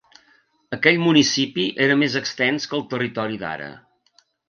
Aquell municipi era més extens que el territori d'ara.